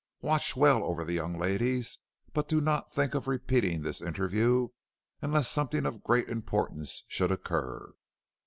Watch well over the young ladies, but do not think of repeating this interview unless something of great importance should occur.